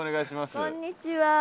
こんにちは。